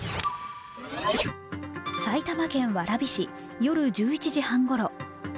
埼玉県蕨市、夜１１時半ごろ。